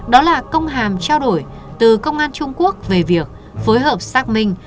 đó là công hàm trao đổi từ công an trung quốc về việc phối hợp xác minh